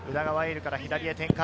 琉から左へ展開。